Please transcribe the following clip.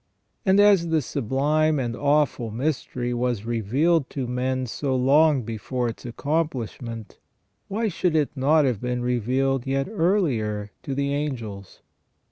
And as the sublime and awful mystery was revealed to men so long before its accomplish ment, why should it not have been revealed yet earlier to the angels